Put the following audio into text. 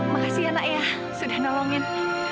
makasih ya nak ya sudah nolongin